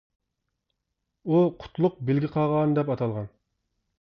ئۇ قۇتلۇق بىلگە قاغان دەپ ئاتالغان.